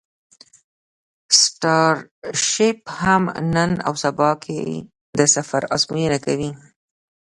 سټارشیپ هم نن او سبا کې د سفر ازموینه کوي.